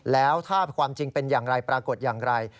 แล้วถ้าความจริงเป็นอย่างไรปรากฏอย่างไร